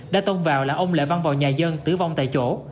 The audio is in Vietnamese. đã tôn vào là ông lệ văn vào nhà dân tử vong tại chỗ